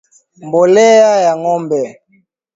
mbolea ya ngombe